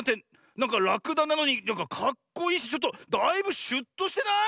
なんからくだなのになんかかっこいいしちょっとだいぶシュッとしてない？